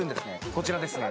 こちらですね